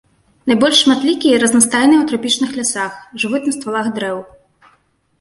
Найбольш шматлікія і разнастайныя ў трапічных лясах, жывуць на ствалах дрэў.